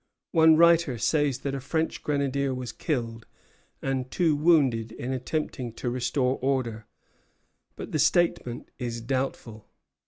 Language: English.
One writer says that a French grenadier was killed and two wounded in attempting to restore order; but the statement is doubtful.